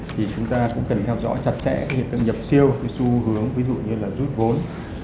thì chúng ta cũng cần theo dõi chặt chẽ hiện tượng nhập siêu xu hướng ví dụ như rút vốn